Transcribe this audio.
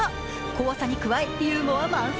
怖さに加え、ユーモア満載。